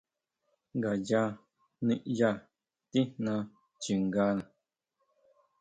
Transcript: Ngaya niʼya tijná chingana.